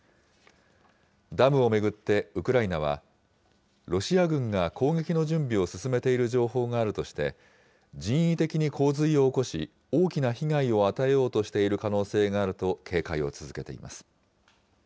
ダムを巡ってウクライナは、ロシア軍が攻撃の準備を進めている情報があるとして、人為的に洪水を起こし、大きな被害を与えようとしている可能性があると、警戒を続けています。